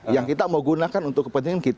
yang kita mau gunakan untuk kepentingan kita